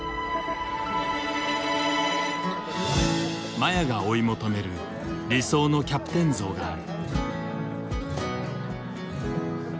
麻也が追い求める理想のキャプテン像がある。